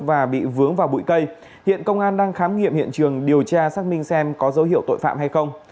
và bụi cây hiện công an đang khám nghiệm hiện trường điều tra xác minh xem có dấu hiệu tội phạm hay không